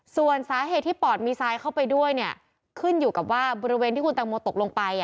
ส่วนสาเหตุที่ปอดมีทรายเข้าไปด้วยเนี่ยขึ้นอยู่กับว่าบริเวณที่คุณตังโมตกลงไป